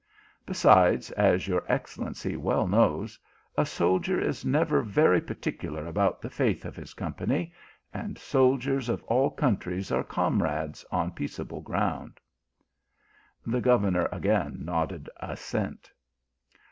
Besides, as your excellency well knows, a soldier is never very particular about the faith of his company, and soldiers of all countries are comrades on peaceable ground." The governor again nodded assent.